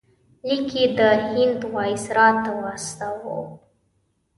لیک یې د هند وایسرا ته واستاوه.